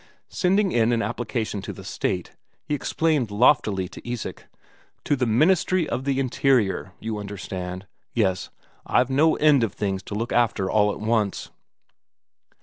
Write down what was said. Sending in an application to the State, he explained loftily to Isak "to the Ministry of the Interior, you understand. Yes, I've no end of things to look after all at once."